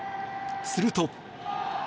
すると。